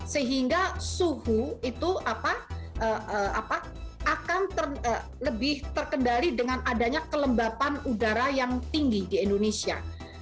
sehingga suhu itu akan lebih terkendali dengan adanya kelembapan udara yang tinggi di indonesia